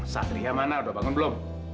satria mana udah bangun belum